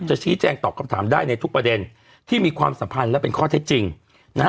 ชี้แจงตอบคำถามได้ในทุกประเด็นที่มีความสัมพันธ์และเป็นข้อเท็จจริงนะฮะ